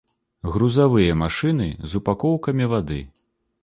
Грузавыя машыны з упакоўкамі вады.